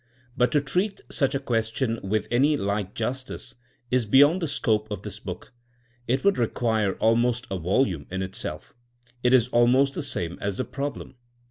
But to treat such a question with anything like justice is beyond the scope of this book; it would require almost a volume in itself. It is almost the same as the problem.